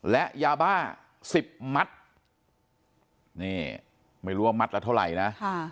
และยาบ้า๑๐มัดนี่ไม่รู้ว่ามัดละเท่าไหร่นะ